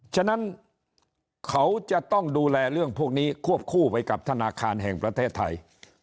ฉะนั้นเขาจะต้องดูแลเรื่องพวกนี้ควบคู่ไปกับธนาคารแห่งประเทศไทย